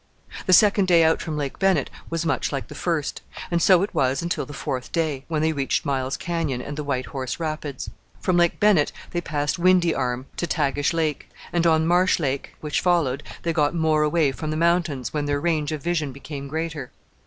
The second day out from Lake Bennett was much like the first; and so it was until the fourth day, when they reached Miles Canyon and the White Horse rapids. From Lake Bennett they passed Windy Arm to Tagish Lake; and on Marsh Lake, which followed, they got more away from the mountains, when their range of vision became greater.